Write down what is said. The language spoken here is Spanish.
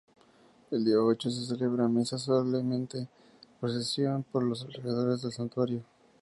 El día ocho se celebra Misa solemne y procesión por los alrededores del santuario.